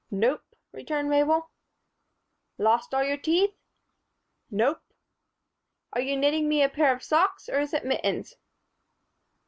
"Nope," returned Mabel. "Lost all your teeth?" "Nope." "Are you knitting me a pair of socks or is it mittens?"